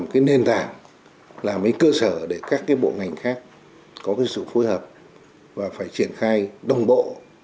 và phải triển khai đồng bộ để làm sao đạt được một cái mục tiêu là thực hiện một cái cơ sở để các cái bộ ngành khác có cái sự phối hợp và phải triển khai đồng bộ